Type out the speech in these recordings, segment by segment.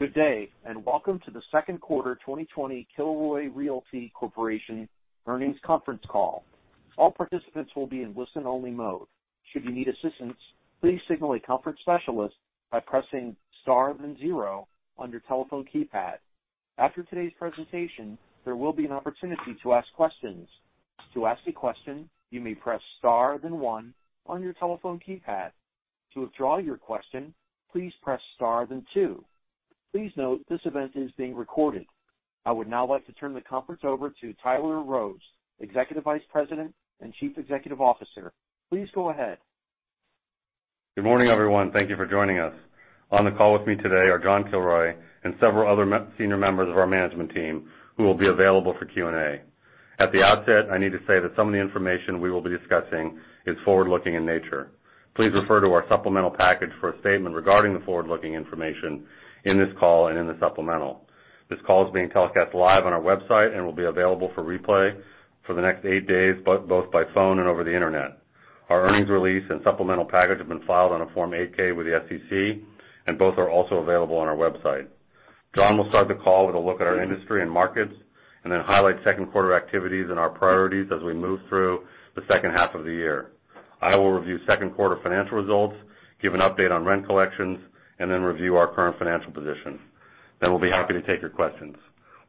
Good day, and welcome to the second quarter 2020 Kilroy Realty Corporation earnings conference call. All participants will be in listen-only mode. Should you need assistance, please signal a conference specialist by pressing star then zero on your telephone keypad. After today's presentation, there will be an opportunity to ask questions. To ask a question, you may press star then one on your telephone keypad. To withdraw your question, please press star then two. Please note this event is being recorded. I would now like to turn the conference over to Tyler Rose, Executive Vice President and Chief Executive Officer. Please go ahead. Good morning, everyone. Thank you for joining us. On the call with me today are John Kilroy and several other senior members of our management team who will be available for Q&A. At the outset, I need to say that some of the information we will be discussing is forward-looking in nature. Please refer to our supplemental package for a statement regarding the forward-looking information in this call and in the supplemental. This call is being telecast live on our website and will be available for replay for the next eight days, both by phone and over the internet. Our earnings release and supplemental package have been filed on a Form 8-K with the SEC, and both are also available on our website. John will start the call with a look at our industry and markets, and then highlight second quarter activities and our priorities as we move through the second half of the year. I will review second quarter financial results, give an update on rent collections, and then review our current financial position. We'll be happy to take your questions.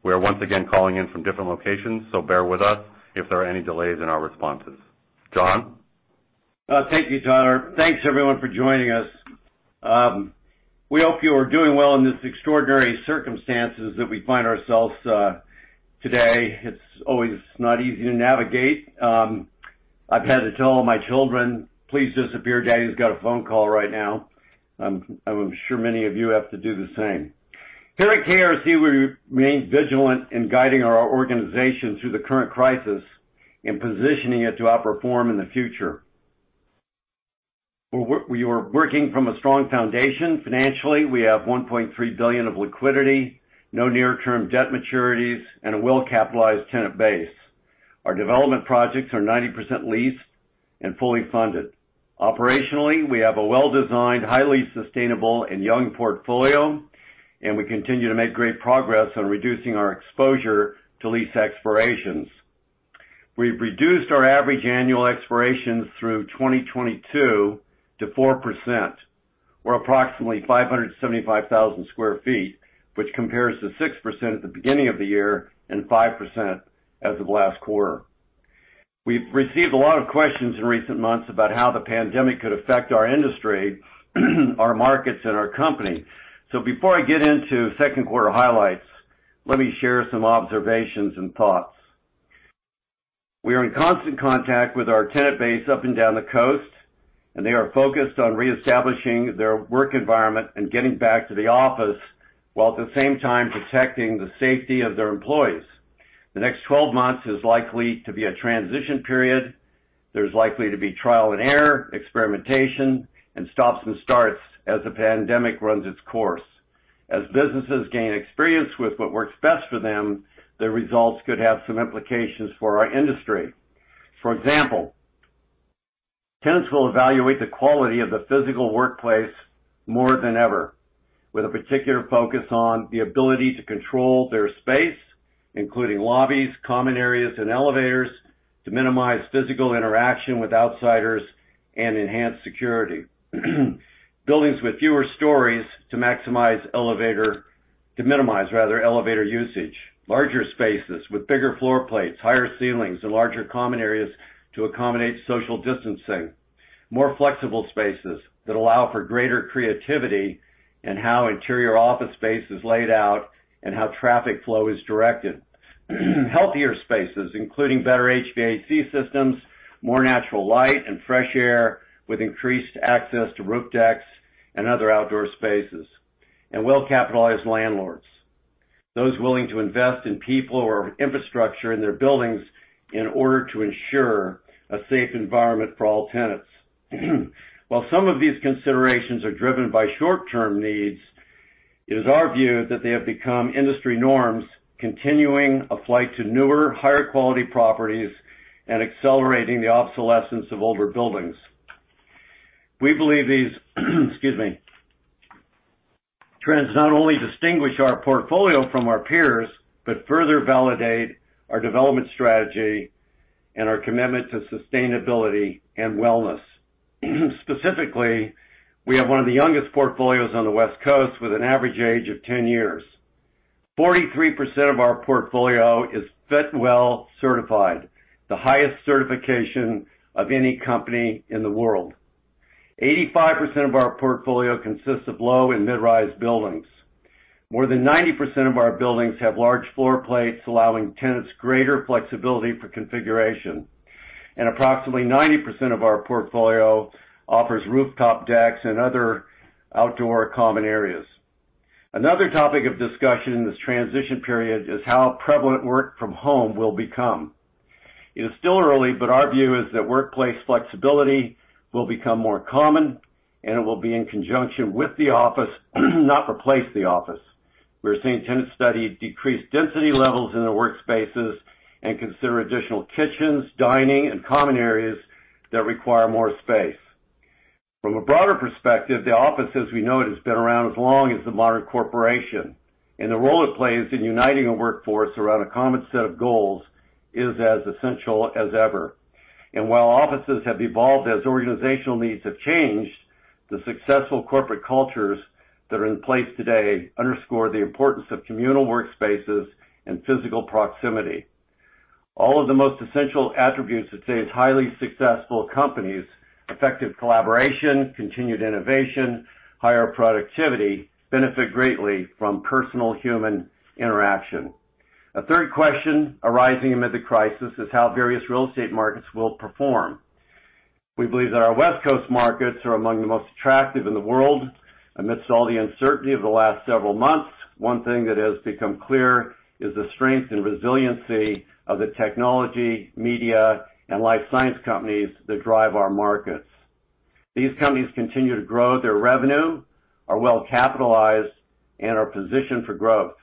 We are once again calling in from different locations, so bear with us if there are any delays in our responses. John? Thank you, Tyler. Thanks everyone for joining us. We hope you are doing well in these extraordinary circumstances that we find ourselves today. It's always not easy to navigate. I've had to tell all my children, "Please disappear. Daddy's got a phone call right now." I'm sure many of you have to do the same. Here at KRC, we remain vigilant in guiding our organization through the current crisis and positioning it to outperform in the future. We are working from a strong foundation financially. We have $1.3 billion of liquidity, no near-term debt maturities, and a well-capitalized tenant base. Our development projects are 90% leased and fully funded. Operationally, we have a well-designed, highly sustainable, and young portfolio, and we continue to make great progress on reducing our exposure to lease expirations. We've reduced our average annual expirations through 2022 to 4%, or approximately 575,000 square feet, which compares to 6% at the beginning of the year and 5% as of last quarter. We've received a lot of questions in recent months about how the pandemic could affect our industry, our markets, and our company. Before I get into second quarter highlights, let me share some observations and thoughts. We are in constant contact with our tenant base up and down the coast, and they are focused on reestablishing their work environment and getting back to the office, while at the same time protecting the safety of their employees. The next 12 months is likely to be a transition period. There's likely to be trial and error, experimentation, and stops and starts as the pandemic runs its course. As businesses gain experience with what works best for them, the results could have some implications for our industry. For example, tenants will evaluate the quality of the physical workplace more than ever, with a particular focus on the ability to control their space, including lobbies, common areas, and elevators to minimize physical interaction with outsiders and enhance security. Buildings with fewer stories to minimize elevator usage. Larger spaces with bigger floor plates, higher ceilings, and larger common areas to accommodate social distancing. More flexible spaces that allow for greater creativity in how interior office space is laid out and how traffic flow is directed. Healthier spaces, including better HVAC systems, more natural light and fresh air with increased access to roof decks and other outdoor spaces. Well-capitalized landlords, those willing to invest in people or infrastructure in their buildings in order to ensure a safe environment for all tenants. While some of these considerations are driven by short-term needs, it is our view that they have become industry norms, continuing a flight to newer, higher quality properties, and accelerating the obsolescence of older buildings. We believe these trends not only distinguish our portfolio from our peers, but further validate our development strategy and our commitment to sustainability and wellness. Specifically, we have one of the youngest portfolios on the West Coast with an average age of 10 years. 43% of our portfolio is Fitwel certified, the highest certification of any company in the world. 85% of our portfolio consists of low and mid-rise buildings. More than 90% of our buildings have large floor plates, allowing tenants greater flexibility for configuration. Approximately 90% of our portfolio offers rooftop decks and other outdoor common areas. Another topic of discussion in this transition period is how prevalent work from home will become. It is still early, but our view is that workplace flexibility will become more common, and it will be in conjunction with the office, not replace the office. We are seeing tenants study decreased density levels in their workspaces and consider additional kitchens, dining, and common areas that require more space. From a broader perspective, the office as we know it has been around as long as the modern corporation, and the role it plays in uniting a workforce around a common set of goals is as essential as ever. While offices have evolved as organizational needs have changed, the successful corporate cultures that are in place today underscore the importance of communal workspaces and physical proximity. All of the most essential attributes of today's highly successful companies, effective collaboration, continued innovation, higher productivity, benefit greatly from personal human interaction. A third question arising amid the crisis is how various real estate markets will perform. We believe that our West Coast markets are among the most attractive in the world. Amidst all the uncertainty of the last several months, one thing that has become clear is the strength and resiliency of the technology, media, and life science companies that drive our markets. These companies continue to grow their revenue, are well-capitalized, and are positioned for growth.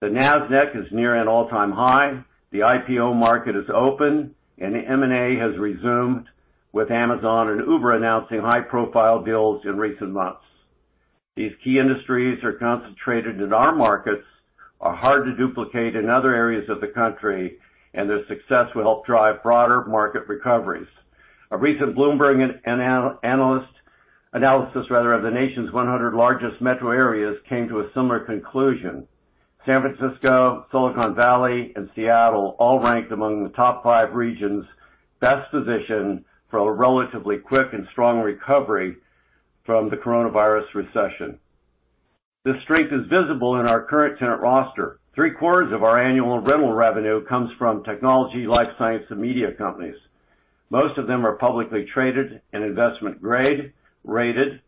The Nasdaq is near an all-time high, the IPO market is open, and M&A has resumed, with Amazon and Uber announcing high-profile deals in recent months. These key industries are concentrated in our markets, are hard to duplicate in other areas of the country, and their success will help drive broader market recoveries. A recent Bloomberg analysis of the nation's 100 largest metro areas came to a similar conclusion. San Francisco, Silicon Valley, and Seattle all ranked among the top five regions best positioned for a relatively quick and strong recovery from the coronavirus recession. This strength is visible in our current tenant roster. Three-quarters of our annual rental revenue comes from technology, life science, and media companies. Most of them are publicly traded and investment grade-rated.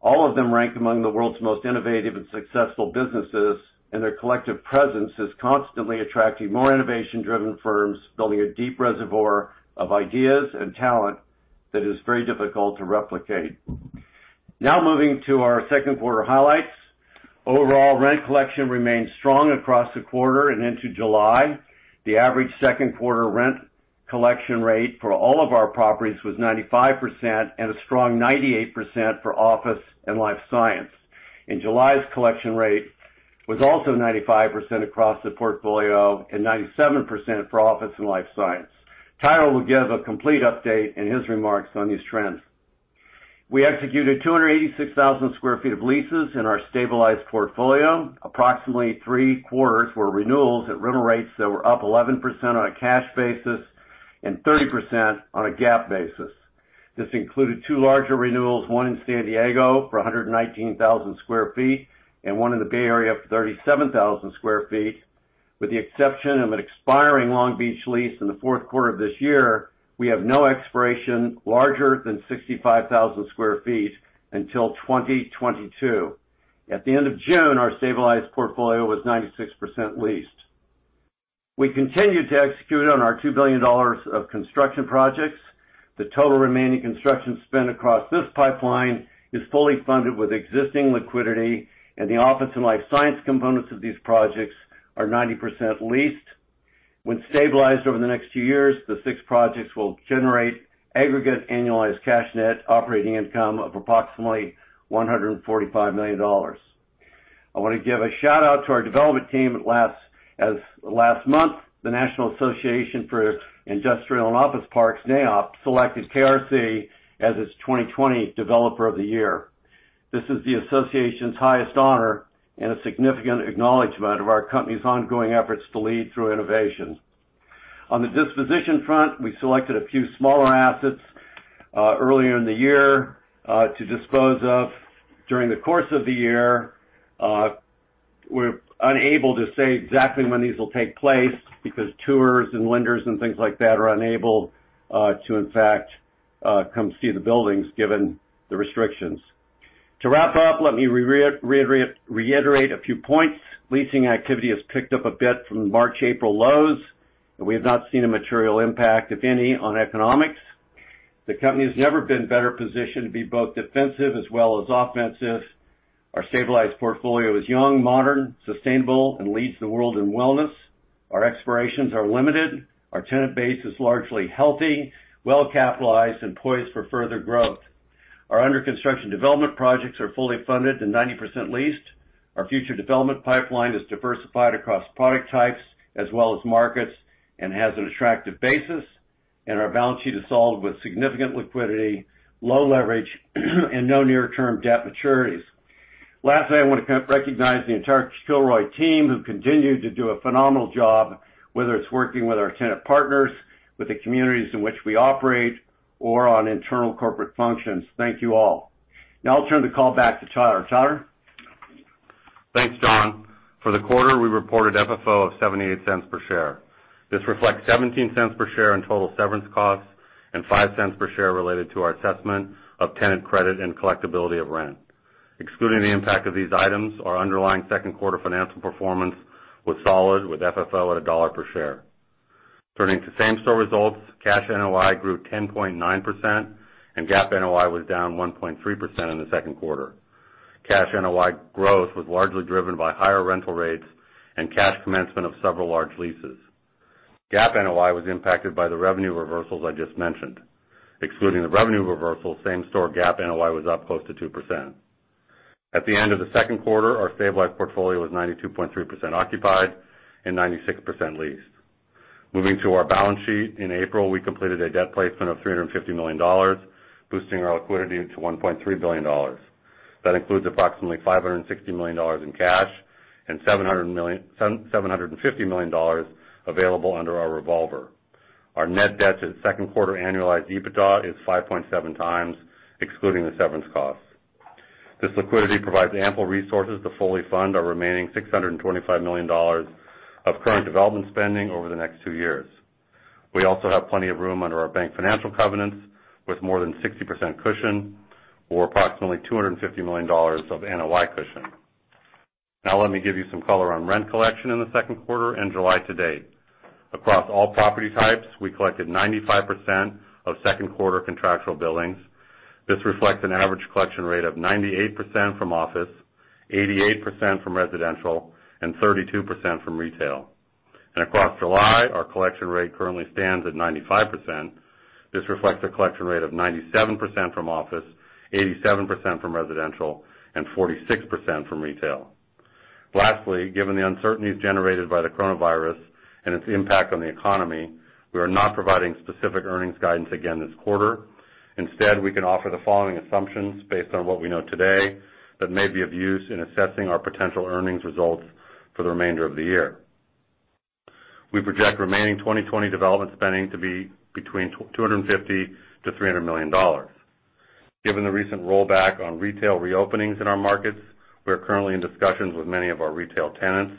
All of them rank among the world's most innovative and successful businesses, and their collective presence is constantly attracting more innovation-driven firms, building a deep reservoir of ideas and talent that is very difficult to replicate. Now moving to our second quarter highlights. Overall, rent collection remained strong across the quarter and into July. The average second quarter rent collection rate for all of our properties was 95%, and a strong 98% for office and life science. July's collection rate was also 95% across the portfolio and 97% for office and life science. Tyler will give a complete update in his remarks on these trends. We executed 286,000 square feet of leases in our stabilized portfolio. Approximately three-quarters were renewals at rental rates that were up 11% on a cash basis and 30% on a GAAP basis. This included two larger renewals, one in San Diego for 119,000 square feet and one in the Bay Area for 37,000 square feet. With the exception of an expiring Long Beach lease in the fourth quarter of this year, we have no expiration larger than 65,000 square feet until 2022. At the end of June, our stabilized portfolio was 96% leased. We continue to execute on our $2 billion of construction projects. The total remaining construction spend across this pipeline is fully funded with existing liquidity, and the office and life science components of these projects are 90% leased. When stabilized over the next few years, the six projects will generate aggregate annualized cash net operating income of approximately $145 million. I want to give a shout-out to our development team as last month, the National Association for Industrial and Office Parks, NAIOP, selected KRC as its 2020 Developer of the Year. This is the association's highest honor and a significant acknowledgment of our company's ongoing efforts to lead through innovation. On the disposition front, we selected a few smaller assets earlier in the year to dispose of during the course of the year. We're unable to say exactly when these will take place because tours and lenders and things like that are unable to, in fact, come see the buildings given the restrictions. To wrap up, let me reiterate a few points. Leasing activity has picked up a bit from the March, April lows, and we have not seen a material impact, if any, on economics. The company has never been better positioned to be both defensive as well as offensive. Our stabilized portfolio is young, modern, sustainable, and leads the world in wellness. Our expirations are limited. Our tenant base is largely healthy, well-capitalized, and poised for further growth. Our under construction development projects are fully funded and 90% leased. Our future development pipeline is diversified across product types as well as markets and has an attractive basis. Our balance sheet is solid with significant liquidity, low leverage, and no near-term debt maturities. Lastly, I want to recognize the entire Kilroy team who continue to do a phenomenal job, whether it's working with our tenant partners, with the communities in which we operate, or on internal corporate functions. Thank you all. Now I'll turn the call back to Tyler. Tyler? Thanks, John. For the quarter, we reported FFO of $0.78 per share. This reflects $0.17 per share in total severance costs and $0.05 per share related to our assessment of tenant credit and collectibility of rent. Excluding the impact of these items, our underlying second quarter financial performance was solid with FFO at $1 per share. Turning to same-store results, cash NOI grew 10.9%, and GAAP NOI was down 1.3% in the second quarter. Cash NOI growth was largely driven by higher rental rates and cash commencement of several large leases. GAAP NOI was impacted by the revenue reversals I just mentioned. Excluding the revenue reversal, same-store GAAP NOI was up close to 2%. At the end of the second quarter, our stabilized portfolio was 92.3% occupied and 96% leased. Moving to our balance sheet. In April, we completed a debt placement of $350 million, boosting our liquidity to $1.3 billion. That includes approximately $560 million in cash and $750 million available under our revolver. Our net debt to the second quarter annualized EBITDA is 5.7 times, excluding the severance costs. This liquidity provides ample resources to fully fund our remaining $625 million of current development spending over the next two years. We also have plenty of room under our bank financial covenants with more than 60% cushion or approximately $250 million of NOI cushion. Now let me give you some color on rent collection in the second quarter and July to date. Across all property types, we collected 95% of second quarter contractual billings. This reflects an average collection rate of 98% from office, 88% from residential, and 32% from retail. Across July, our collection rate currently stands at 95%. This reflects a collection rate of 97% from office, 87% from residential, and 46% from retail. Lastly, given the uncertainties generated by the coronavirus and its impact on the economy, we are not providing specific earnings guidance again this quarter. Instead, we can offer the following assumptions based on what we know today that may be of use in assessing our potential earnings results for the remainder of the year. We project remaining 2020 development spending to be between $250 million-$300 million. Given the recent rollback on retail reopenings in our markets, we are currently in discussions with many of our retail tenants.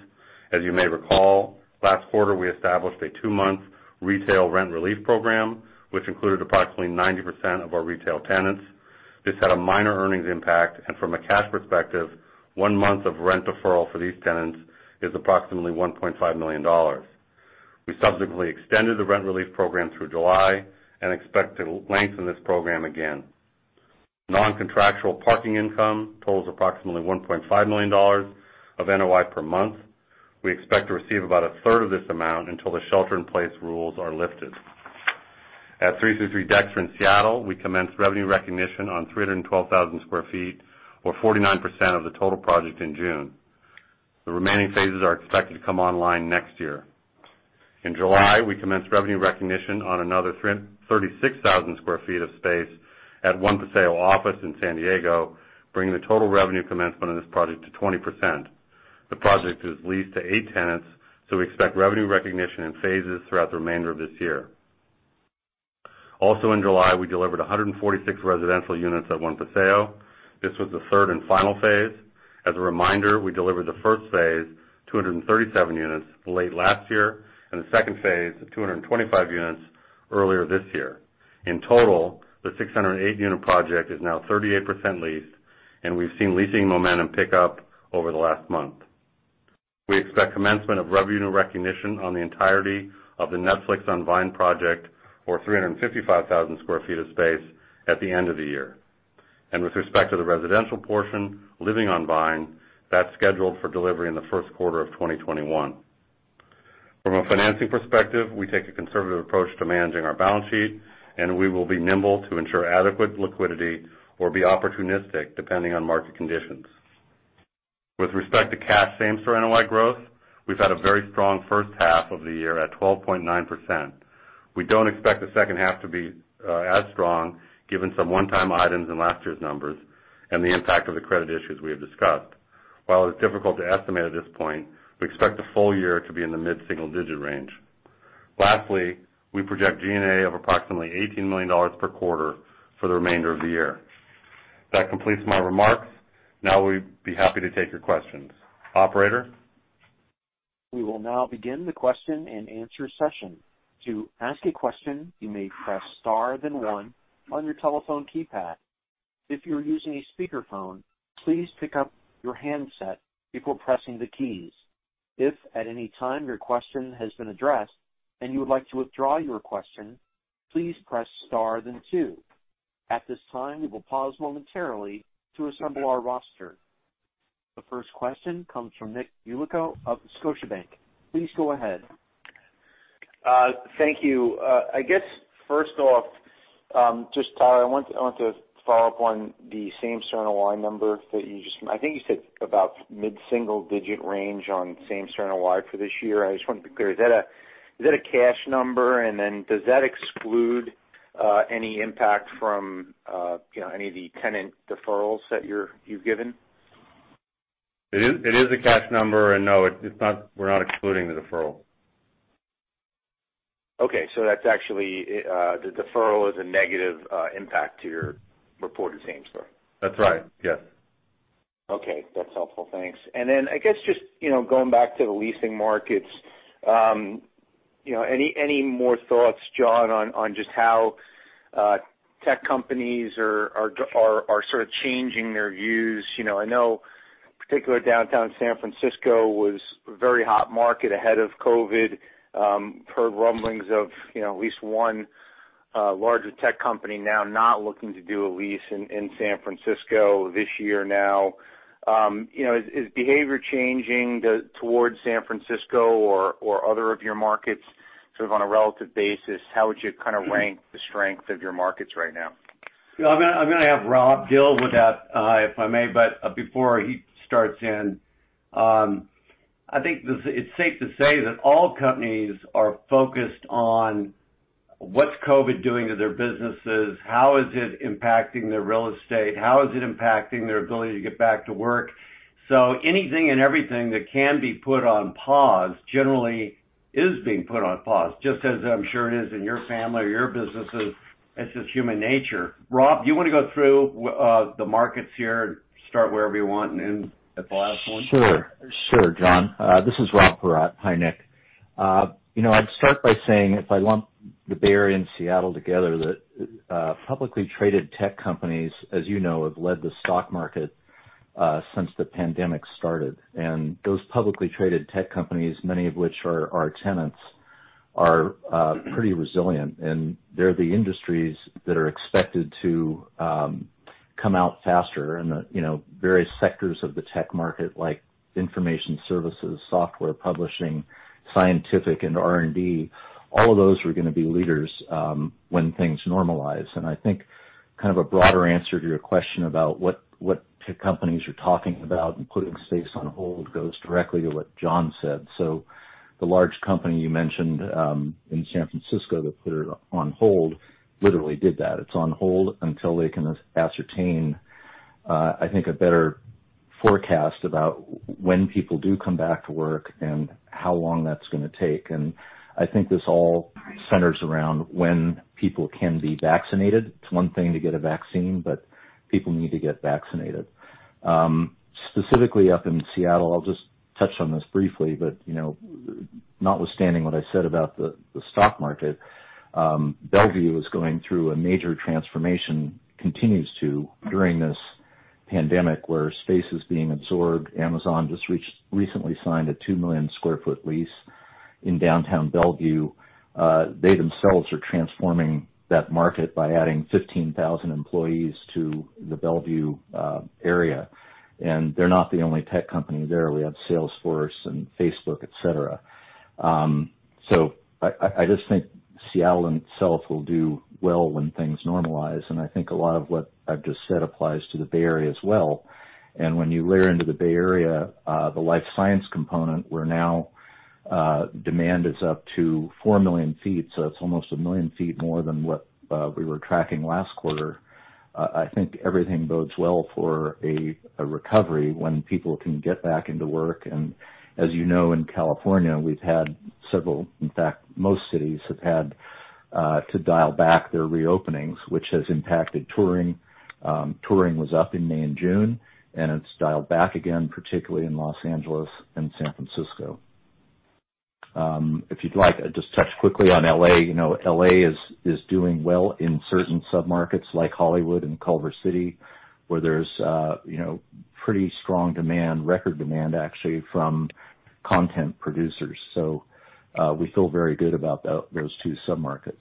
As you may recall, last quarter we established a two-month retail rent relief program, which included approximately 90% of our retail tenants. This had a minor earnings impact, and from a cash perspective, one month of rent deferral for these tenants is approximately $1.5 million. We subsequently extended the rent relief program through July and expect to lengthen this program again. Non-contractual parking income totals approximately $1.5 million of NOI per month. We expect to receive about a third of this amount until the shelter-in-place rules are lifted. At 333 Dexter in Seattle, we commenced revenue recognition on 312,000 square feet or 49% of the total project in June. The remaining phases are expected to come online next year. In July, we commenced revenue recognition on another 36,000 square feet of space at One Paseo Office in San Diego, bringing the total revenue commencement of this project to 20%. The project is leased to eight tenants, so we expect revenue recognition in phases throughout the remainder of this year. Also in July, we delivered 146 residential units at One Paseo. This was the third and final phase. As a reminder, we delivered the first phase, 237 units late last year, and the second phase of 225 units earlier this year. In total, the 608-unit project is now 38% leased, we've seen leasing momentum pick up over the last month. We expect commencement of revenue recognition on the entirety of the Netflix on Vine project, or 355,000 sq ft of space at the end of the year. With respect to the residential portion, Living on Vine, that's scheduled for delivery in the first quarter of 2021. From a financing perspective, we take a conservative approach to managing our balance sheet, and we will be nimble to ensure adequate liquidity or be opportunistic depending on market conditions. With respect to cash same store NOI growth, we've had a very strong first half of the year at 12.9%. We don't expect the second half to be as strong given some one-time items in last year's numbers and the impact of the credit issues we have discussed. While it's difficult to estimate at this point, we expect the full year to be in the mid-single digit range. Lastly, we project G&A of approximately $18 million per quarter for the remainder of the year. That completes my remarks. Now we'd be happy to take your questions. Operator? We will now begin the question and answer session. To ask a question, you may press star then one on your telephone keypad. If you are using a speakerphone, please pick up your handset before pressing the keys. If at any time your question has been addressed and you would like to withdraw your question, please press star then two. At this time, we will pause momentarily to assemble our roster. The first question comes from Nick Yulico of Scotiabank. Please go ahead. Thank you. I guess first off, just Tyler, I want to follow up on the same-store NOI number that I think you said about mid-single digit range on same-store NOI for this year. I just wanted to be clear: is that a cash number, and then does that exclude any impact from any of the tenant deferrals that you've given? It is a cash number, and no, we're not excluding the deferral. Okay. That's actually the deferral is a negative impact to your reported same store. That's right. Yes. Okay. That's helpful. Thanks. I guess just going back to the leasing markets. Any more thoughts, John, on just how tech companies are sort of changing their views? I know particular downtown San Francisco was a very hot market ahead of COVID. Heard rumblings of at least one a larger tech company now not looking to do a lease in San Francisco this year now. Is behavior changing towards San Francisco or other of your markets, sort of on a relative basis? How would you kind of rank the strength of your markets right now? I'm going to have Rob deal with that, if I may. Before he starts in, I think it's safe to say that all companies are focused on what's COVID doing to their businesses, how is it impacting their real estate, how is it impacting their ability to get back to work. Anything and everything that can be put on pause generally is being put on pause, just as I'm sure it is in your family or your businesses. It's just human nature. Rob, do you want to go through the markets here and start wherever you want and end at the last one? Sure. John. This is Rob Paratte. Hi, Nick. I'd start by saying, if I lump the Bay Area and Seattle together, that publicly traded tech companies, as you know, have led the stock market since the pandemic started. Those publicly traded tech companies, many of which are our tenants, are pretty resilient, and they're the industries that are expected to come out faster. The various sectors of the tech market, like information services, software, publishing, scientific, and R&D—all of those are going to be leaders when things normalize. I think kind of a broader answer to your question about what tech companies you're talking about and putting space on hold goes directly to what John said. The large company you mentioned in San Francisco that put it on hold literally did that. It's on hold until they can ascertain, I think, a better forecast about when people do come back to work and how long that's going to take. I think this all centers around when people can be vaccinated. It's one thing to get a vaccine, but people need to get vaccinated. Specifically up in Seattle, I'll just touch on this briefly, but notwithstanding what I said about the stock market, Bellevue is going through a major transformation, continues to during this pandemic, where space is being absorbed. Amazon just recently signed a 2 million square foot lease in downtown Bellevue. They themselves are transforming that market by adding 15,000 employees to the Bellevue area. They're not the only tech company there. We have Salesforce and Facebook, et cetera. I just think Seattle in itself will do well when things normalize, and I think a lot of what I've just said applies to the Bay Area as well. When you layer into the Bay Area the life science component, where now demand is up to 4 million feet, so it's almost 1 million feet more than what we were tracking last quarter, I think everything bodes well for a recovery when people can get back into work. As you know, in California, we've had several; in fact, most cities have had to dial back their reopenings, which has impacted touring. Touring was up in May and June, and it's dialed back again, particularly in Los Angeles and San Francisco. If you'd like, I'll just touch quickly on L.A. L.A. is doing well in certain submarkets like Hollywood and Culver City, where there's pretty strong demand, record demand actually, from content producers. We feel very good about those two submarkets.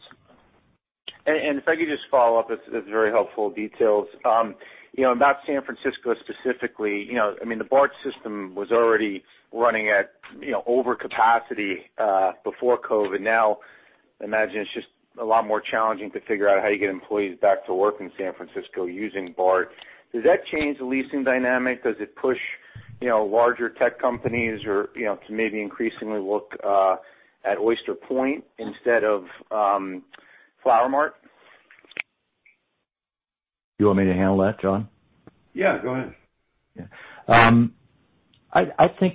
If I could just follow up, it's very helpful details. About San Francisco specifically, the BART system was already running at over capacity before COVID. I imagine it's just a lot more challenging to figure out how you get employees back to work in San Francisco using BART. Does that change the leasing dynamic? Does it push larger tech companies to maybe increasingly look at Oyster Point instead of Flower Mart? Do you want me to handle that, John? Yeah, go ahead. I think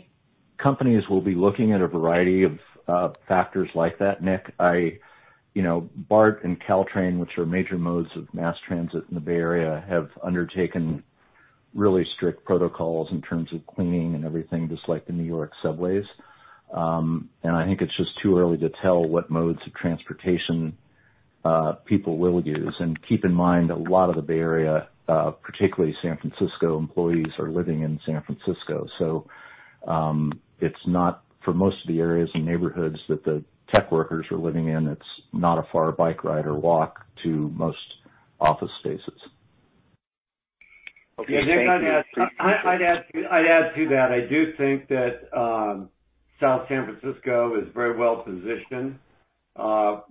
companies will be looking at a variety of factors like that, Nick. BART and Caltrain, which are major modes of mass transit in the Bay Area, have undertaken really strict protocols in terms of cleaning and everything, just like the New York subways. I think it's just too early to tell what modes of transportation people will use. Keep in mind, a lot of the Bay Area, particularly San Francisco employees, are living in San Francisco. For most of the areas and neighborhoods that the tech workers are living in, it's not a far bike ride or walk to most office spaces. Okay, thank you. Appreciate it. Nick, I'd add to that. I do think that South San Francisco is very well positioned.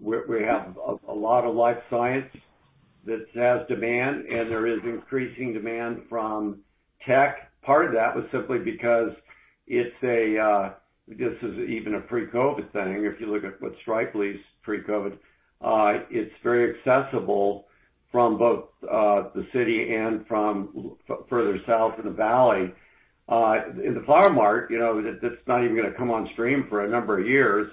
We have a lot of life science that has demand, and there is increasing demand from tech. Part of that was simply because this is even a pre-COVID thing, if you look at what Stripe leased pre-COVID. It's very accessible from both the city and from further south in the valley. In the Flower Mart, that's not even going to come on stream for a number of years.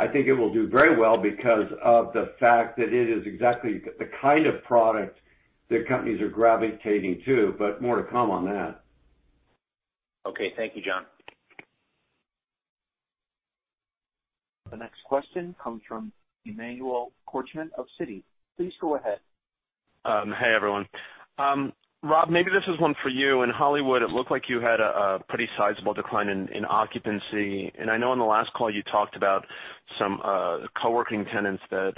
I think it will do very well because of the fact that it is exactly the kind of product that companies are gravitating to, but more to come on that. Okay. Thank you, John. The next question comes from Emmanuel Korchman of Citi. Please go ahead. Hey, everyone. Rob, maybe this is one for you. In Hollywood, it looked like you had a pretty sizable decline in occupancy. I know on the last call you talked about some co-working tenants that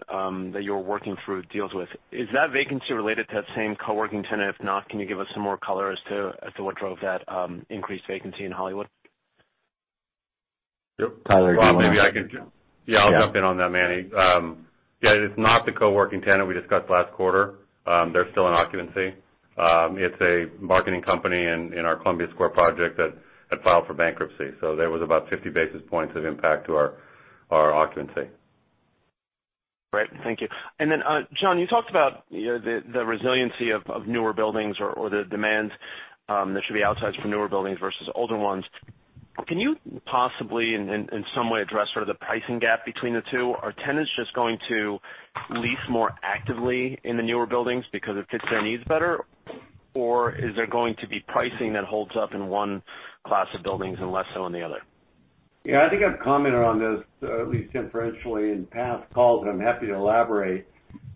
you're working through deals with. Is that vacancy related to that same co-working tenant? If not, can you give us some more color as to what drove that increased vacancy in Hollywood? Tyler, do you want to? Rob, I'll jump in on that, Manny. Yeah, it is not the co-working tenant we discussed last quarter. They're still in occupancy. It's a marketing company in our Columbia Square project that had filed for bankruptcy. That was about 50 basis points of impact to our occupancy. Great, thank you. Then, John, you talked about the resiliency of newer buildings or the demands that should be outsized for newer buildings versus older ones. Can you possibly, in some way, address sort of the pricing gap between the two? Are tenants just going to lease more actively in the newer buildings because it fits their needs better? Is there going to be pricing that holds up in one class of buildings and less so in the other? Yeah, I think I've commented on this, at least inferentially, in past calls, and I'm happy to elaborate.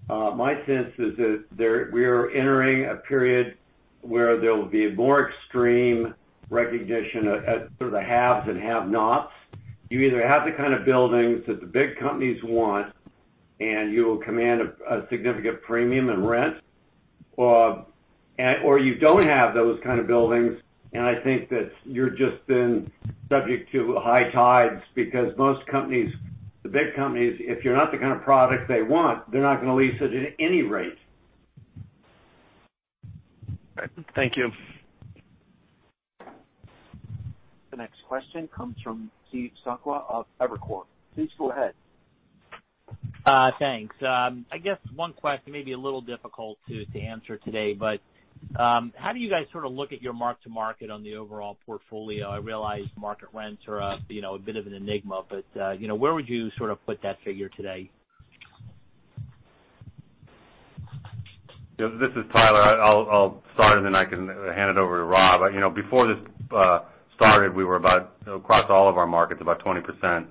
My sense is that we're entering a period where there'll be more extreme recognition of sort of the haves and have-nots. You either have the kind of buildings that the big companies want, and you will command a significant premium in rent, or you don't have those kinds of buildings, and I think that you've just been subject to high tides because most companies, the big companies, if you're not the kind of product they want, they're not going to lease it at any rate. All right. Thank you. The next question comes from Steve Sakwa of Evercore. Please go ahead. Thanks. I guess one question may be a little difficult to answer today, but how do you guys sort of look at your mark-to-market on the overall portfolio? I realize market rents are a bit of an enigma, but where would you sort of put that figure today? This is Tyler. I'll start, and then I can hand it over to Rob. Before this started, we were about, across all of our markets, about 20%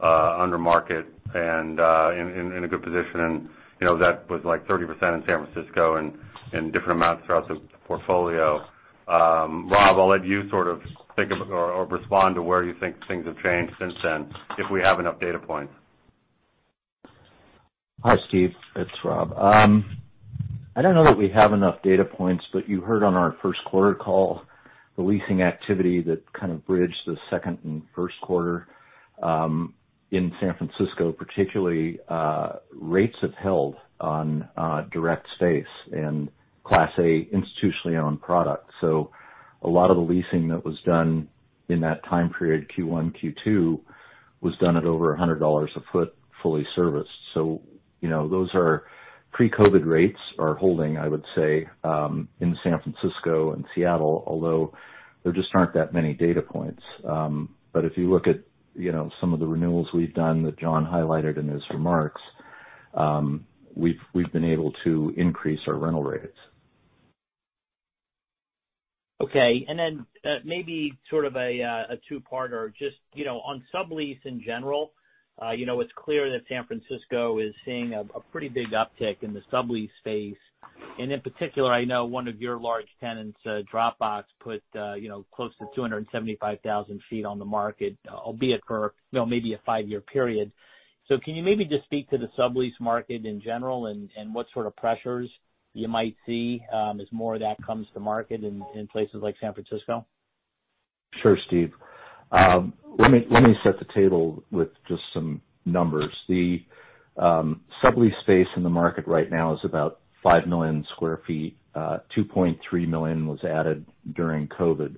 under market and in a good position. That was like 30% in San Francisco and different amounts throughout the portfolio. Rob, I'll let you sort of think of or respond to where you think things have changed since then, if we have enough data points. Hi, Steve. It's Rob. I don't know that we have enough data points, but you heard on our first quarter call the leasing activity that kind of bridged the second and first quarter in San Francisco; particularly, rates have held on direct space and Class A institutionally owned product. A lot of the leasing that was done in that time period, Q1, Q2, was done at over $100 a foot, fully serviced. Those are pre-COVID rates are holding, I would say, in San Francisco and Seattle, although there just aren't that many data points. If you look at some of the renewals we've done that John highlighted in his remarks, we've been able to increase our rental rates. Okay. Then maybe sort of a 2-parter, just on sublease in general; it's clear that San Francisco is seeing a pretty big uptick in the sublease space. In particular, I know one of your large tenants, Dropbox, put close to 275,000 feet on the market, albeit for maybe a five-year period. Can you maybe just speak to the sublease market in general and what sort of pressures you might see as more of that comes to market in places like San Francisco? Sure, Steve. Let me set the table with just some numbers. The sublease space in the market right now is about 5 million square feet. 2.3 million was added during COVID.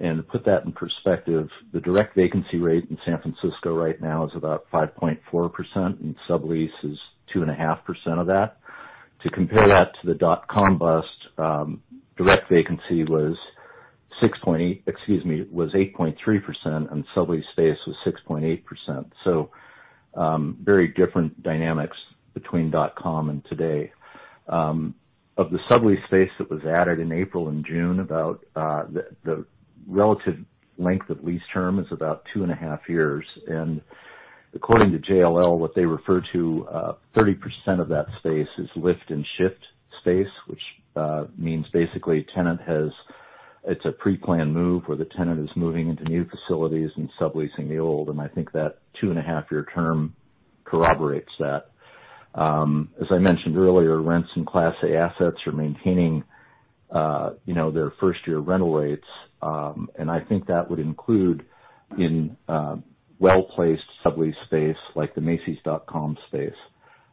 To put that in perspective, the direct vacancy rate in San Francisco right now is about 5.4%, and sublease is 2.5% of that. To compare that to the dot-com bust, direct vacancy was 8.3%, and sublease space was 6.8%. Very different dynamics between dot-com and today. Of the sublease space that was added in April and June, the relative length of lease term is about two and a half years. According to JLL, what they refer to, 30% of that space is lift-and-shift space, which means basically It's a pre-planned move where the tenant is moving into new facilities and subleasing the old, and I think that two-and-a-half-year term corroborates that. As I mentioned earlier, rents in Class A assets are maintaining their first-year rental rates, and I think that would include in well-placed sublease space like the Macys.com space.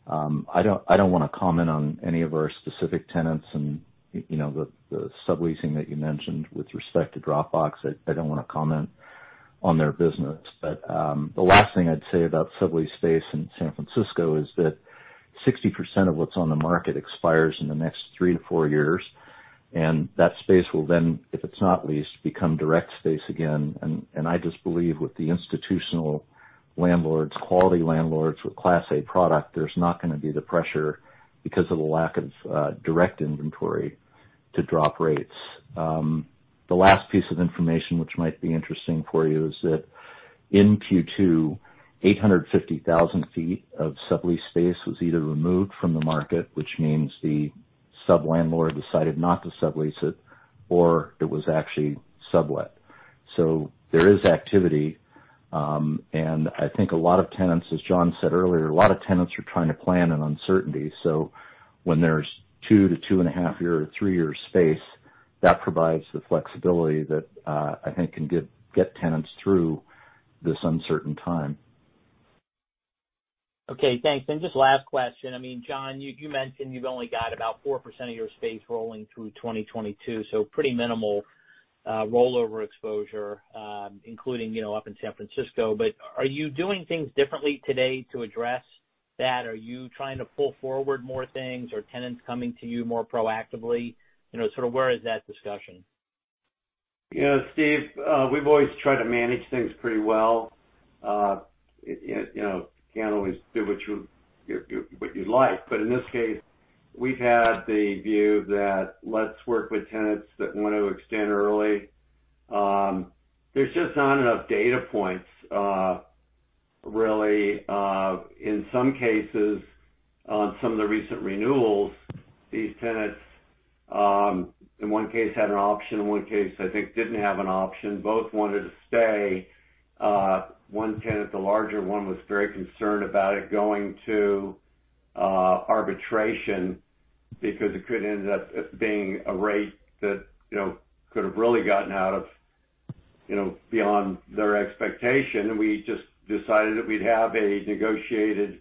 I don't want to comment on any of our specific tenants and the subleasing that you mentioned with respect to Dropbox. I don't want to comment on their business. The last thing I'd say about sublease space in San Francisco is that 60% of what's on the market expires in the next three to four years, and that space will then, if it's not leased, become direct space again. I just believe with the institutional landlords, quality landlords with Class A product, there's not going to be the pressure because of the lack of direct inventory to drop rates. The last piece of information, which might be interesting for you, is that. In Q2, 850,000 feet of sublease space was either removed from the market, which means the sub-landlord decided not to sublease it, or it was actually sublet. There is activity. I think a lot of tenants, as John said earlier, are trying to plan in uncertainty. When there's two to two and a half year to three-year space, that provides the flexibility that I think can get tenants through this uncertain time. Okay, thanks. Just last question. John, you mentioned you've only got about 4% of your space rolling through 2022, so pretty minimal rollover exposure, including up in San Francisco. Are you doing things differently today to address that? Are you trying to pull forward more things? Are tenants coming to you more proactively? Sort of where is that discussion? Steve, we've always tried to manage things pretty well. You can't always do what you'd like. In this case, we've had the view that let's work with tenants that want to extend early. There's just not enough data points, really. In some cases, on some of the recent renewals, these tenants, in one case, had an option; in one case, I think, didn't have an option. Both wanted to stay. One tenant, the larger one, was very concerned about it going to arbitration because it could end up as being a rate that could have really gotten out of beyond their expectation, and we just decided that we'd have a negotiated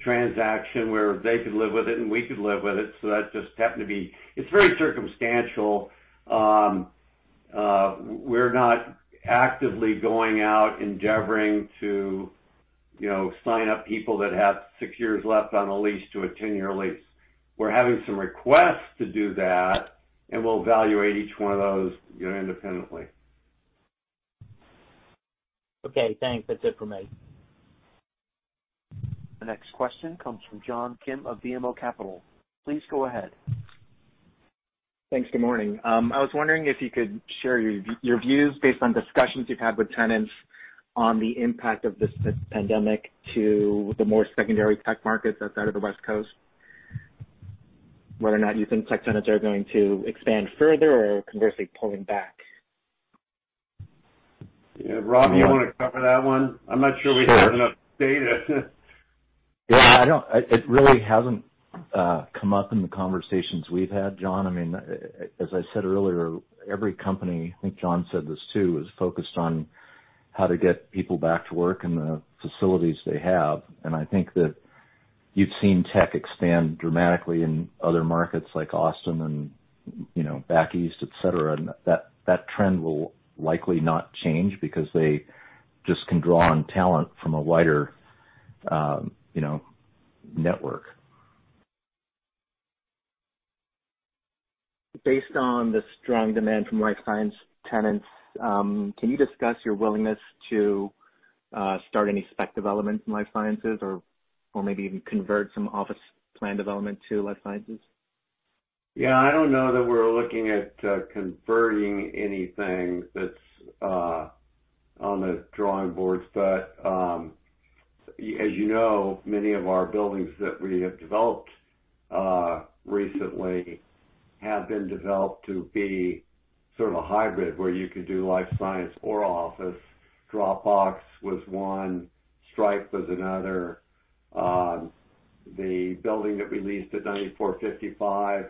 transaction where they could live with it, and we could live with it. That just happened to be. It's very circumstantial. We're not actively going out endeavoring to sign up people that have six years left on a lease to a 10-year lease. We're having some requests to do that, and we'll evaluate each one of those independently. Okay, thanks. That's it for me. The next question comes from John Kim of BMO Capital. Please go ahead. Thanks. Good morning. I was wondering if you could share your views based on discussions you've had with tenants on the impact of this pandemic to the more secondary tech markets outside of the West Coast, whether or not you think tech tenants are going to expand further or, conversely, pulling back. Rob, do you want to cover that one? I'm not sure we have enough data. Yeah. It really hasn't come up in the conversations we've had, John. As I said earlier, every company, I think John said this too, is focused on how to get people back to work in the facilities they have. I think that you've seen tech expand dramatically in other markets like Austin and back East, etc., and that trend will likely not change because they just can draw on talent from a wider network. Based on the strong demand from life science tenants, can you discuss your willingness to start any spec developments in life sciences or maybe even convert some office plan developments to life sciences? Yeah. I don't know that we're looking at converting anything that's on the drawing boards. As you know, many of our buildings that we have developed recently have been developed to be sort of a hybrid where you could do life science or office. Dropbox was one. Stripe was another. The building that we leased at 9455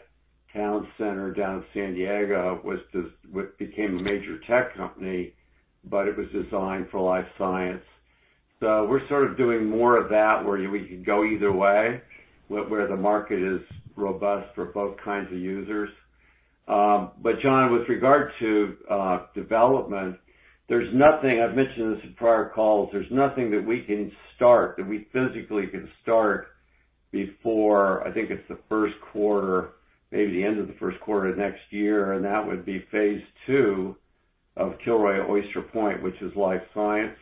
Towne Centre down in San Diego became a major tech company, but it was designed for life science. We're sort of doing more of that, where we can go either way, where the market is robust for both kinds of users. John, with regard to development, I've mentioned this in prior calls; there's nothing that we can start, that we physically can start before, I think it's the first quarter, maybe the end of the first quarter of next year; that would be phase II of Kilroy Oyster Point, which is life science.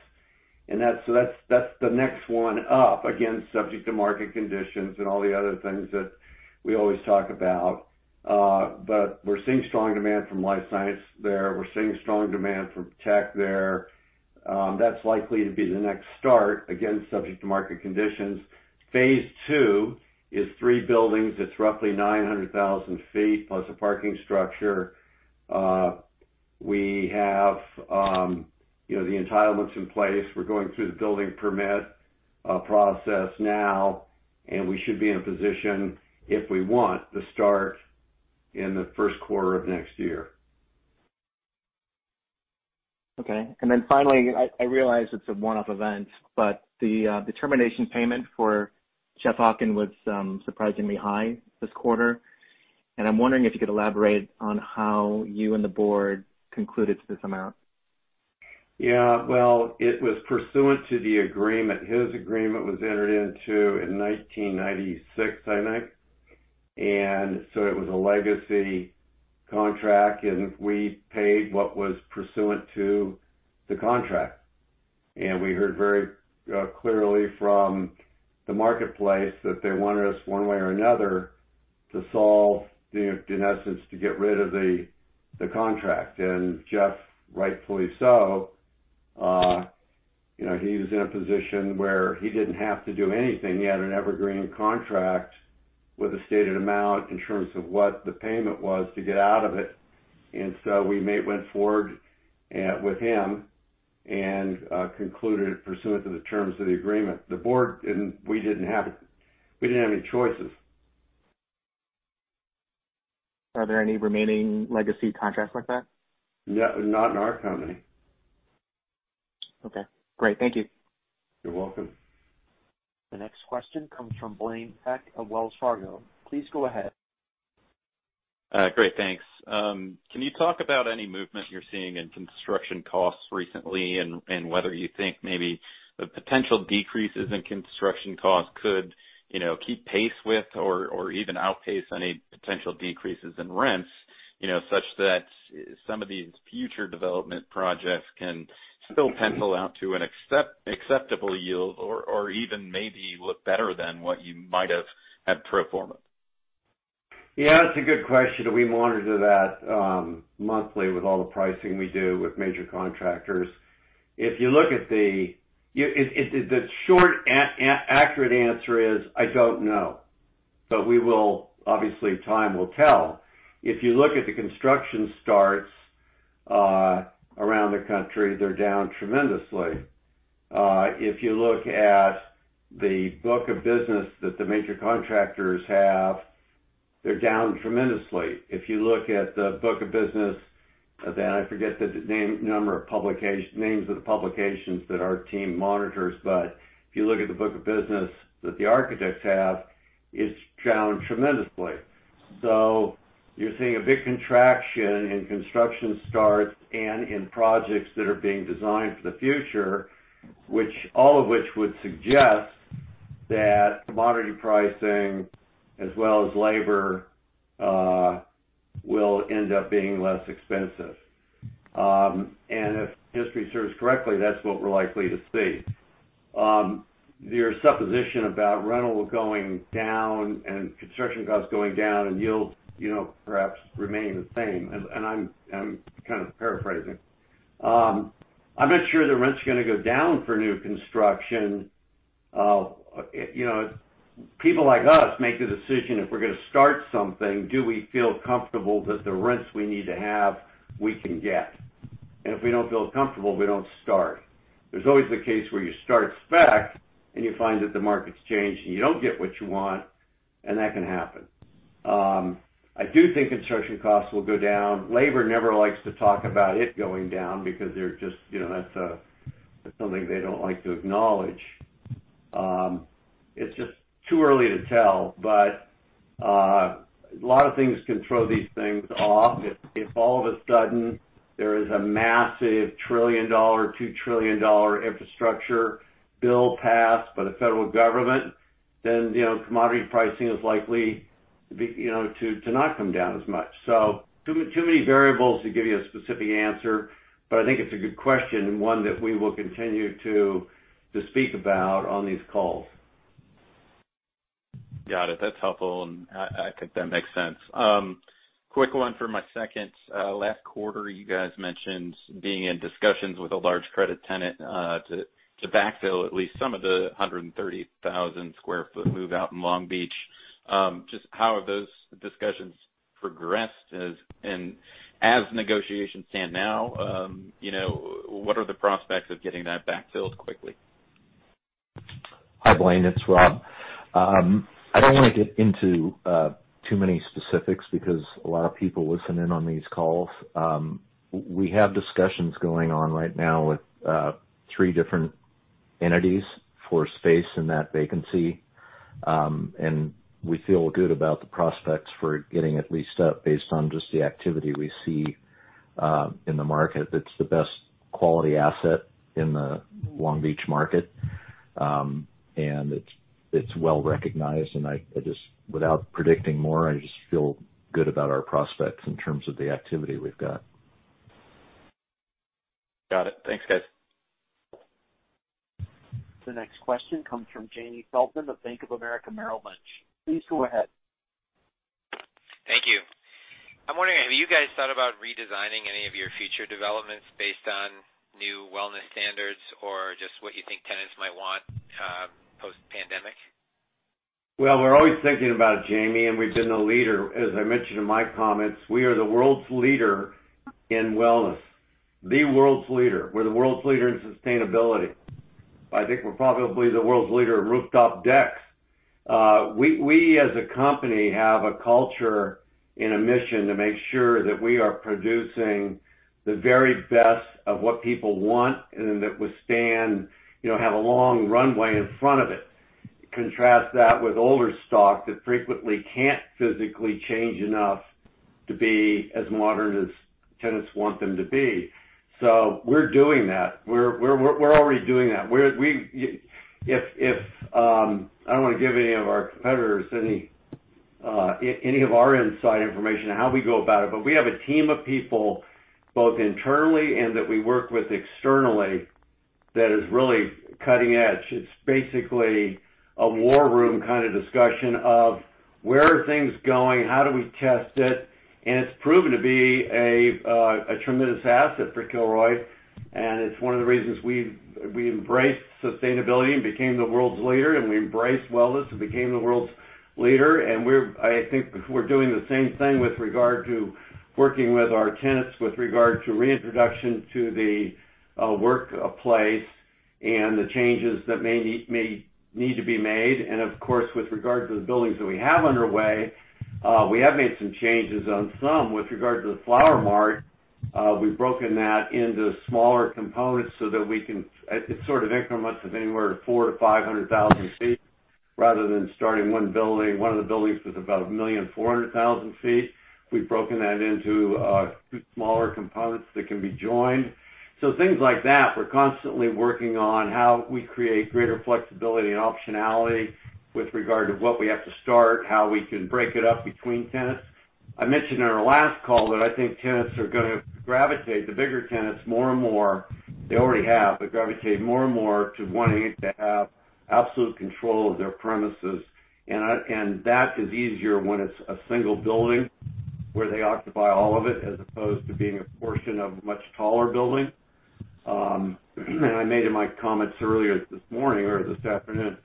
That's the next one up. Again, subject to market conditions and all the other things that we always talk about. We're seeing strong demand from life science there. We're seeing strong demand from tech there. That's likely to be the next start, again, subject to market conditions. Phase II is three buildings. It's roughly 900,000 sq ft plus a parking structure. We have the entitlements in place. We're going through the building permit process now, and we should be in a position if we want to start in the first quarter of next year. Okay. Finally, I realize it's a one-off event, but the termination payment for Jeff Hawken was surprisingly high this quarter. I'm wondering if you could elaborate on how you and the board concluded to this amount. Yeah. Well, it was pursuant to the agreement. His agreement was entered into in 1996, I think. It was a legacy contract, and we paid what was pursuant to the contract. We heard very clearly from the marketplace that they wanted us one way or another to, in essence, to get rid of the contract. Jeff, rightfully so, he was in a position where he didn't have to do anything. He had an evergreen contract with a stated amount in terms of what the payment was to get out of it. We went forward with him and concluded pursuant to the terms of the agreement. The board, we didn't have any choices. Are there any remaining legacy contracts like that? No, not in our company. Okay, great. Thank you. You're welcome. The next question comes from Blaine Heck of Wells Fargo. Please go ahead. Great, thanks. Can you talk about any movement you're seeing in construction costs recently, and whether you think maybe the potential decreases in construction costs could keep pace with or even outpace any potential decreases in rents, such that some of these future development projects can still pencil out to an acceptable yield or even maybe look better than what you might have had pro forma? That's a good question, and we monitor that monthly with all the pricing we do with major contractors. The short and accurate answer is, I don't know. Obviously, time will tell. If you look at the construction starts around the country, they're down tremendously. If you look at the book of business that the major contractors have, they're down tremendously. If you look at the book of business, then I forget the names of the publications that our team monitors, but if you look at the book of business that the architects have, it's down tremendously. You're seeing a big contraction in construction starts and in projects that are being designed for the future, all of which would suggest that commodity pricing as well as labor will end up being less expensive. If history serves correctly, that's what we're likely to see. Your supposition about rental going down and construction costs going down and yield perhaps remain the same, and I'm kind of paraphrasing. I'm not sure that rents are going to go down for new construction. People like us make the decision: if we're going to start something, do we feel comfortable that the rents we need to have, we can get? If we don't feel comfortable, we don't start. There's always the case where you start spec and you find that the market's changed and you don't get what you want, and that can happen. I do think construction costs will go down. Labor never likes to talk about it going down because that's something they don't like to acknowledge. It's just too early to tell, but a lot of things can throw these things off. If all of a sudden there is a massive trillion-dollar, $2 trillion infrastructure bill passed by the federal government, commodity pricing is likely to not come down as much. Too many variables to give you a specific answer, but I think it's a good question and one that we will continue to speak about on these calls. Got it. That's helpful, and I think that makes sense. Quick one for my second. Last quarter, you guys mentioned being in discussions with a large credit tenant to backfill at least some of the 130,000 sq ft move-out in Long Beach. Just how have those discussions progressed, and as negotiations stand now, what are the prospects of getting that backfilled quickly? Hi, Blaine, it's Rob. I don't want to get into too many specifics because a lot of people listen in on these calls. We have discussions going on right now with three different entities for space in that vacancy. We feel good about the prospects for getting it leased up based on just the activity we see in the market. It's the best quality asset in the Long Beach market. It's well-recognized; without predicting more, I just feel good about our prospects in terms of the activity we've got. Got it. Thanks, guys. The next question comes from Jamie Feldman of Bank of America Merrill Lynch. Please go ahead. Thank you. I'm wondering, have you guys thought about redesigning any of your future developments based on new wellness standards or just what you think tenants might want post-pandemic? We're always thinking about it, Jamie, and we've been a leader. As I mentioned in my comments, we are the world's leader in wellness. The world's leader. We're the world's leader in sustainability. I think we're probably the world's leader in rooftop decks. We, as a company, have a culture and a mission to make sure that we are producing the very best of what people want and that withstand, have a long runway in front of it. Contrast that with older stock that frequently can't physically change enough to be as modern as tenants want them to be. We're doing that. We're already doing that. I don't want to give any of our competitors any of our inside information on how we go about it; we have a team of people, both internally and that we work with externally, that is really cutting edge. It's basically a war room-kind of discussion of where are things going. How do we test it? It's proven to be a tremendous asset for Kilroy, and it's one of the reasons we embraced sustainability and became the world's leader, and we embraced wellness and became the world's leader. I think we're doing the same thing with regard to working with our tenants, with regard to reintroduction to the workplace, and the changes that may need to be made. Of course, with regard to the buildings that we have underway, we have made some changes on some. With regard to the Flower Mart, we've broken that into smaller components. It's sort of increments of anywhere to four to 500,000 sq ft, rather than starting one of the buildings that's about 1,400,000 sq ft. We've broken that into two smaller components that can be joined. Things like that. We're constantly working on how we create greater flexibility and optionality with regard to what we have to start, how we can break it up between tenants. I mentioned in our last call that I think tenants are going to gravitate, the bigger tenants, more and more. They already have, gravitate more and more to wanting to have absolute control of their premises. That is easier when it's a single building where they occupy all of it, as opposed to being a portion of a much taller building. I made in my comments earlier this morning or this afternoon,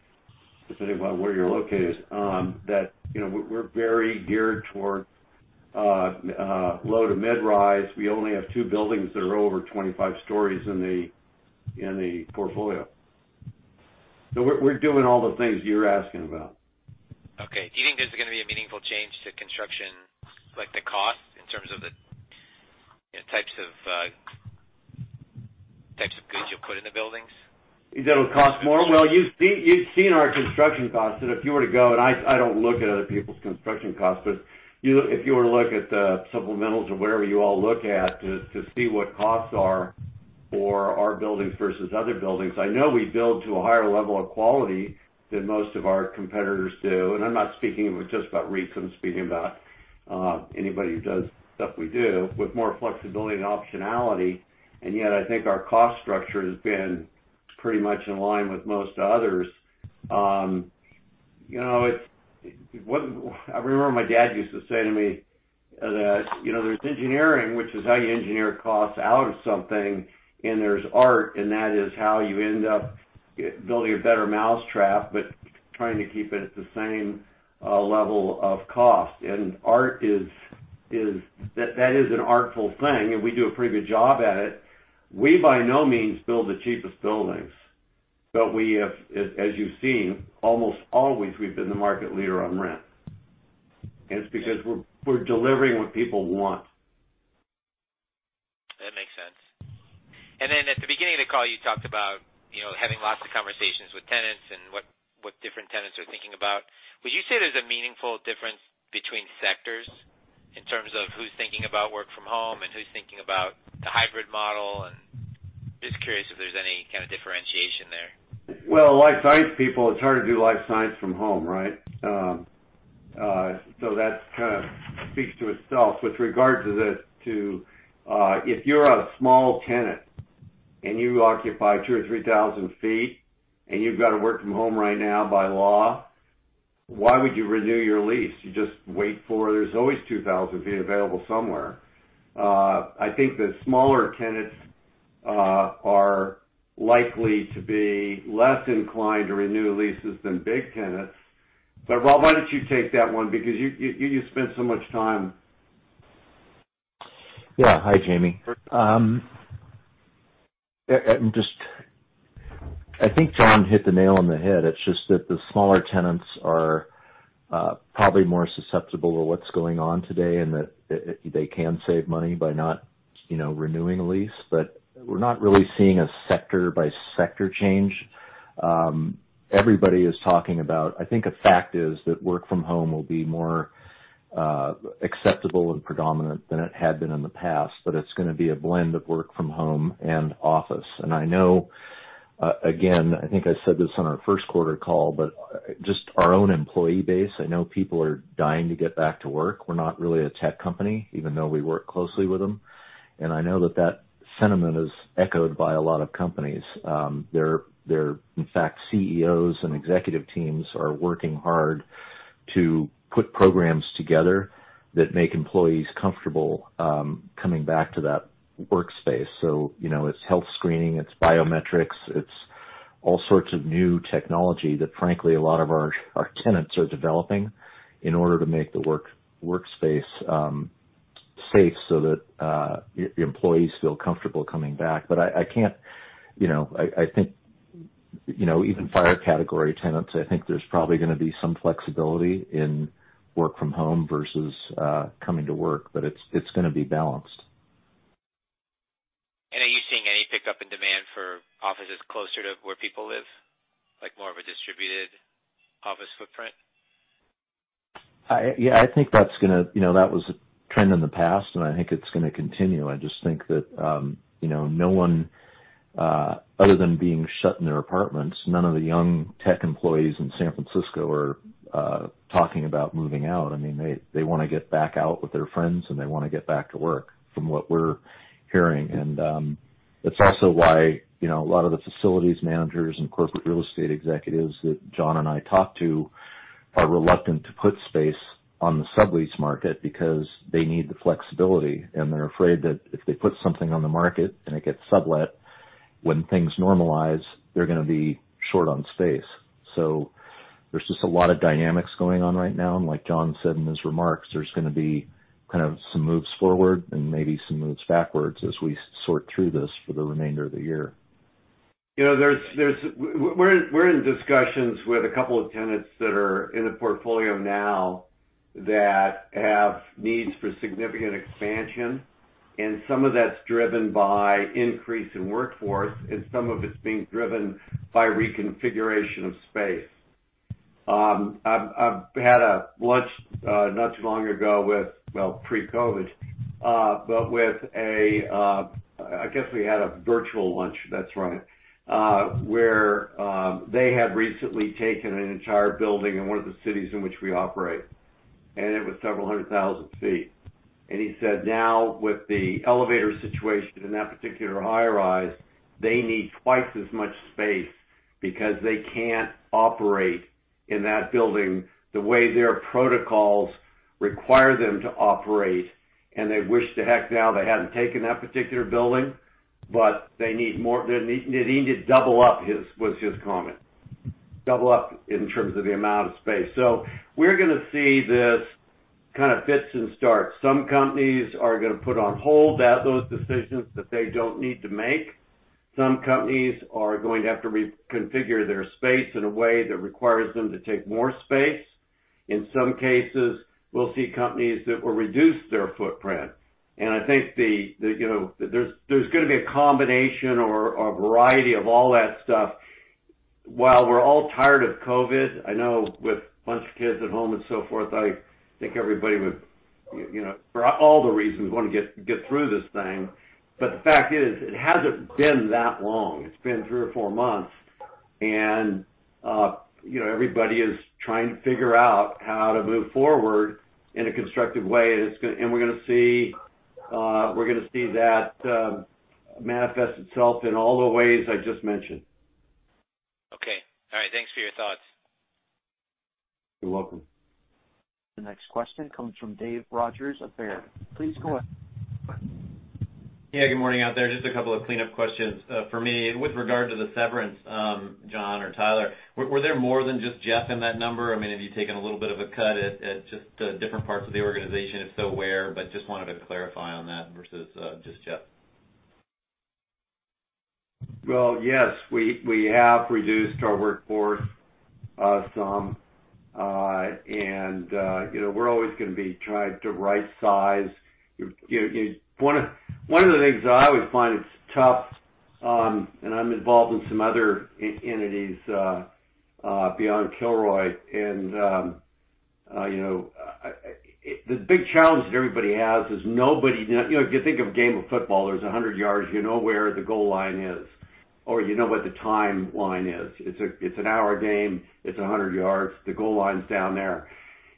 depending on where you're located, that we're very geared toward low- to mid-rise. We only have two buildings that are over 25 stories in the portfolio. We're doing all the things you're asking about. Okay. Do you think there's going to be a meaningful change to construction, like the cost in terms of the types of goods you'll put in the buildings? That'll cost more? Well, you've seen our construction costs, that if you were to go, and I don't look at other people's construction costs, but if you were to look at the supplementals or whatever you all look at to see what costs are for our buildings versus other buildings. I know we build to a higher level of quality than most of our competitors do. I'm not speaking just about REITs; I'm speaking about anybody who does the stuff we do with more flexibility and optionality. Yet, I think our cost structure has been pretty much in line with most others. I remember my dad used to say to me that there's engineering, which is how you engineer costs out of something, and there's art, and that is how you end up building a better mousetrap, but trying to keep it at the same level of cost. That is an artful thing, and we do a pretty good job at it. We, by no means, build the cheapest buildings. We have, as you've seen, almost always we've been the market leader on rent. It's because we're delivering what people want. That makes sense. At the beginning of the call, you talked about having lots of conversations with tenants and what different tenants are thinking about. Would you say there's a meaningful difference between sectors in terms of who's thinking about work from home and who's thinking about the hybrid model, and just curious if there's any kind of differentiation there? Well, life science people, it's hard to do life science from home, right? That kind of speaks to itself. With regards to this, if you're a small tenant and you occupy 2,000 or 3,000 feet, and you've got to work from home right now by law, why would you renew your lease? You just wait for it. There's always 2,000 feet available somewhere. I think the smaller tenants are likely to be less inclined to renew leases than big tenants. Rob, why don't you take that one? Because you spend so much time Yeah. Hi, Jamie. I think John hit the nail on the head. It's just that the smaller tenants are probably more susceptible to what's going on today, and that they can save money by not renewing a lease. We're not really seeing a sector-by-sector change. I think a fact is that work from home will be more acceptable and predominant than it had been in the past. It's going to be a blend of work from home and office. I know. again, I think I said this on our first quarter call. Just our own employee base, I know people are dying to get back to work. We're not really a tech company, even though we work closely with them. I know that sentiment is echoed by a lot of companies. In fact, CEOs and executive teams are working hard to put programs together that make employees comfortable coming back to that workspace. It's health screening, it's biometrics, it's all sorts of new technology that, frankly, a lot of our tenants are developing in order to make the workspace safe so that the employees feel comfortable coming back. I think even fire-category tenants, I think there's probably going to be some flexibility in work from home versus coming to work. It's going to be balanced. Are you seeing any pickup in demand for offices closer to where people live? Like more of a distributed office footprint? Yeah, I think that was a trend in the past, and I think it's going to continue. I just think that no one, other than being shut in their apartments, none of the young tech employees in San Francisco are talking about moving out. They want to get back out with their friends, and they want to get back to work from what we're hearing. It's also why a lot of the facilities managers and corporate real estate executives that John and I talk to are reluctant to put space on the sublease market because they need the flexibility, and they're afraid that if they put something on the market and it gets sublet, when things normalize, they're going to be short on space. There's just a lot of dynamics going on right now, and like John said in his remarks, there's going to be kind of some moves forward and maybe some moves backward as we sort through this for the remainder of the year. We're in discussions with a couple of tenants that are in the portfolio now that have needs for significant expansion, and some of that's driven by an increase in workforce, and some of it's being driven by reconfiguration of space. I've had lunch not too long ago with, well, pre-COVID, but I guess we had a virtual lunch, that's right, where they had recently taken an entire building in one of the cities in which we operate, and it was several hundred thousand feet. He said now with the elevator situation in that particular high-rise, they need twice as much space because they can't operate in that building the way their protocols require them to operate, and they wish the heck now they hadn't taken that particular building. "They need to double up," was his comment. Double up in terms of the amount of space. We're going to see this kind of fits and starts. Some companies are going to put on hold those decisions that they don't need to make. Some companies are going to have to reconfigure their space in a way that requires them to take more space. In some cases, we'll see companies that will reduce their footprint. I think there's going to be a combination or a variety of all that stuff. While we're all tired of COVID, I know with a bunch of kids at home and so forth, I think everybody would, for all the reasons, want to get through this thing. The fact is, it hasn't been that long. It's been three or four months, and everybody is trying to figure out how to move forward in a constructive way. We're going to see that manifest itself in all the ways I just mentioned. Okay. All right. Thanks for your thoughts. You're welcome. The next question comes from David Rodgers of Baird. Please go ahead. Yeah, good morning out there. Just a couple of cleanup questions for me. With regard to the severance, John or Tyler, were there more than just Jeff in that number? I mean, have you taken a little bit of a cut at just the different parts of the organization? If so, where? Just wanted to clarify on that versus just Jeff. Well, yes. We have reduced our workforce some. We're always going to be trying to right-size. One of the things that I always find is tough: I'm involved in some other entities beyond Kilroy; the big challenge that everybody has is nobody. If you think of a game of football, there's 100 yards, you know where the goal line is, or you know what the timeline is. It's an hour game; it's 100 yards. The goal line's down there.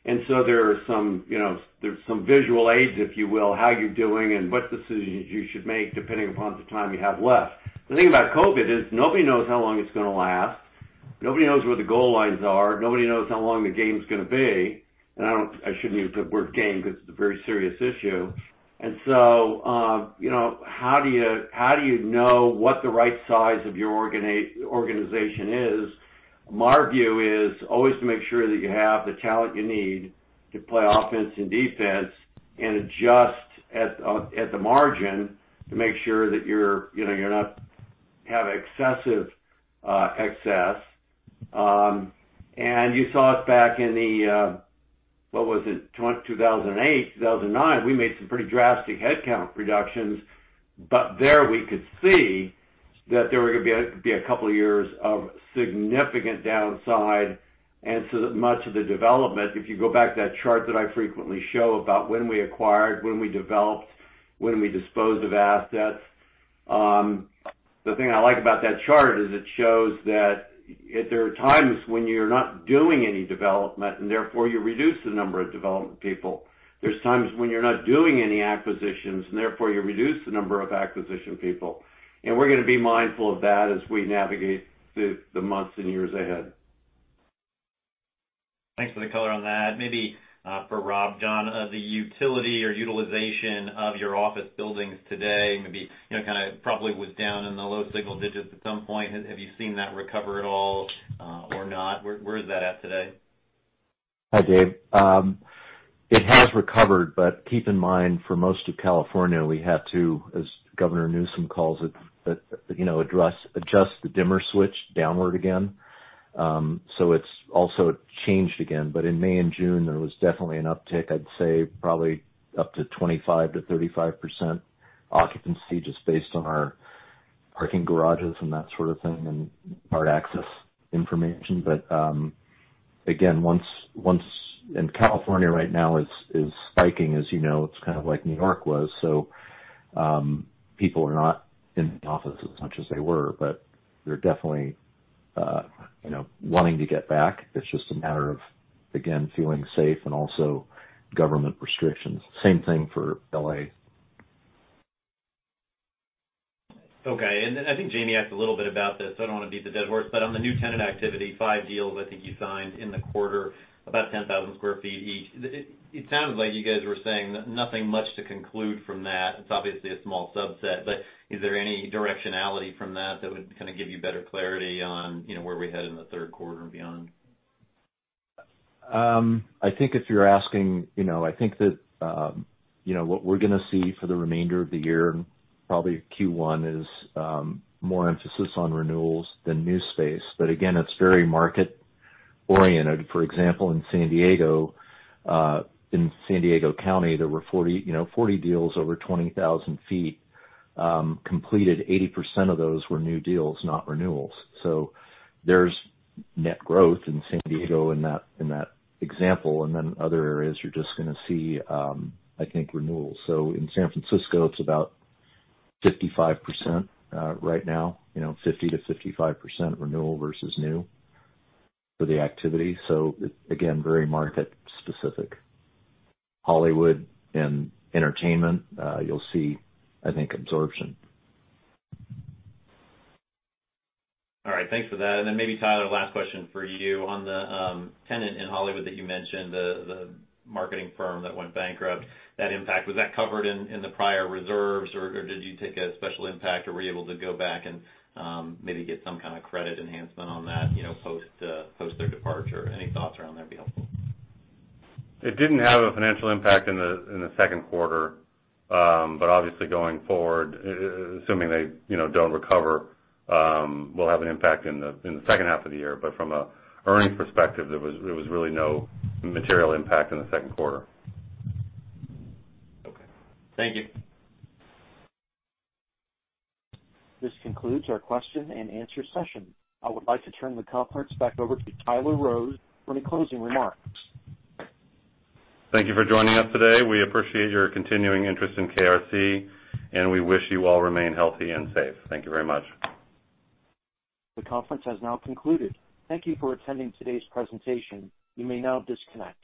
There's some visual aids, if you will, how you're doing and what decisions you should make depending upon the time you have left. The thing about COVID is nobody knows how long it's going to last. Nobody knows where the goal lines are. Nobody knows how long the game's going to be. I shouldn't use the word game because it's a very serious issue. How do you know what the right size of your organization is? My view is always to make sure that you have the talent you need to play offense and defense and adjust at the margin to make sure that you're not have excessive excess. You saw it back in the—what was it? 2008, 2009, we made some pretty drastic headcount reductions. There we could see that there were going to be a couple of years of significant downside. So much of the development, if you go back to that chart that I frequently show about when we acquired, when we developed, when we disposed of assets, the thing I like about that chart is it shows that there are times when you're not doing any development, and therefore you reduce the number of development people. There's times when you're not doing any acquisitions, and therefore you reduce the number of acquisition people. We're going to be mindful of that as we navigate the months and years ahead. Thanks for the color on that. Maybe for Rob, John, the utility or utilization of your office buildings today, maybe, kind of probably was down in the low single digits at some point. Have you seen that recover at all or not? Where is that at today? Hi, David. It has recovered. Keep in mind, for most of California, we had to, as Gavin Newsom calls it, adjust the dimmer switch downward again. It's also changed again. In May and June, there was definitely an uptick, I'd say probably up to 25%-35% occupancy just based on our parking garages and that sort of thing and card access information. Again, California right now is spiking, as you know. It's kind of like New York was. People are not in the office as much as they were, but they're definitely wanting to get back. It's just a matter of, again, feeling safe and also government restrictions. Same thing for L.A. Okay. I think Jamie asked a little bit about this, so I don't want to beat the dead horse, but on the new tenant activity, five deals, I think you signed in the quarter, about 10,000 square feet each. It sounded like you guys were saying nothing much to conclude from that. It's obviously a small subset, but is there any directionality from that that would kind of give you better clarity on where we head in the third quarter and beyond? I think that what we're going to see for the remainder of the year, probably Q1, is more emphasis on renewals than new space. Again, it's very market-oriented. For example, in San Diego County, there were 40 deals over 20,000 feet completed. 80% of those were new deals, not renewals. There's net growth in San Diego in that example. Then other areas you're just going to see, I think, renewals. In San Francisco, it's about 55% right now, 50%-55% renewal versus new for the activity. Again, very market-specific. Hollywood and entertainment, you'll see, I think, absorption. All right. Thanks for that. Maybe, Tyler, last question for you. On the tenant in Hollywood that you mentioned, the marketing firm that went bankrupt, that impact was that covered in the prior reserves, or did you take a special impact, or were you able to go back and maybe get some kind of credit enhancement on that post their departure? Any thoughts around that would be helpful. It didn't have a financial impact in the second quarter. Obviously going forward, assuming they don't recover, will have an impact in the second half of the year. From an earnings perspective, there was really no material impact in the second quarter. Okay. Thank you. This concludes our question and answer session. I would like to turn the conference back over to Tyler Rose for any closing remarks. Thank you for joining us today. We appreciate your continuing interest in KRC. We wish you all remain healthy and safe. Thank you very much. The conference has now concluded. Thank you for attending today's presentation. You may now disconnect.